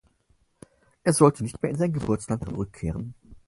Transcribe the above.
Er sollte nicht mehr in sein Geburtsland zurückkehren.